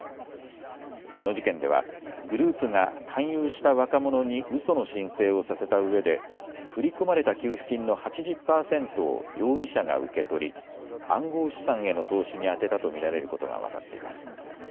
この事件ではグループが勧誘した若者にうその申請をさせたうえで振り込まれた給付金の８０％を容疑者が受け取り暗号資産への投資に充てたと見られることが分かっています。